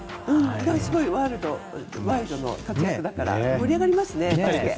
ものすごいワールドワイドの活躍だから盛り上がりますね。